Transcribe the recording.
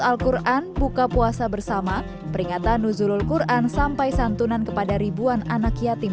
al quran buka puasa bersama peringatan nuzulul quran sampai santunan kepada ribuan anak yatim